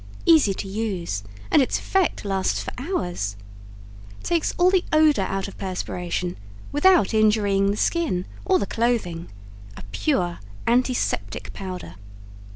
Easy to use and its effect lasts for hours. Takes all the odor out of perspiration without injurying the skin or the clothing a pure antiseptic powder.